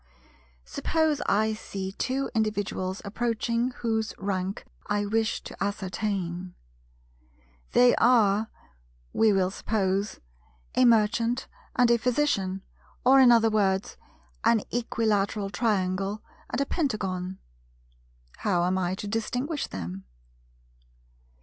Suppose I see two individuals approaching whose rank I wish to ascertain. They are, we will suppose, a Merchant and a Physician, or in other words, an Equilateral Triangle and a Pentagon; how am I to distinguish them?